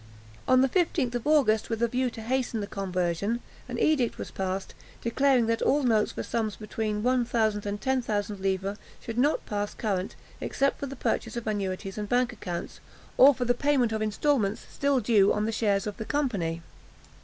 On the 15th of August, with a view to hasten the conversion, an edict was passed, declaring that all notes for sums between one thousand and ten thousand livres, should not pass current, except for the purchase of annuities and bank accounts, or for the payment of instalments still due on the shares of the company.